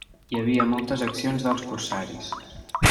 Hi havia moltes accions dels corsaris.